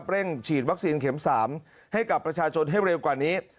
เร่งฉีดวัคซีนเข็ม๓ให้กับประชาชนให้เร็วกว่านี้